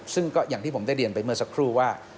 ซึ่งก็อย่างที่ผมได้เรียนไปเมื่อสักครู่ว่า